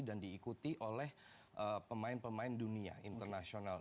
dan diikuti oleh pemain pemain dunia international